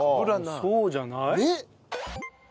そうじゃない？ねえ。